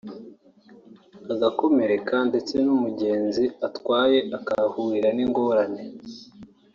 ugakomereka ndetse n’umugenzi utwaye akahahurira n’ingorane”